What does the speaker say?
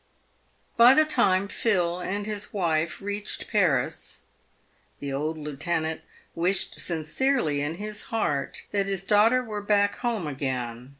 By the time Phil and his wife reached Paris, the old lieutenant wished sincerely in his heart that his daughter were back home again.